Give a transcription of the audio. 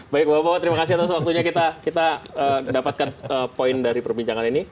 baik bapak bapak terima kasih atas waktunya kita dapatkan poin dari perbincangan ini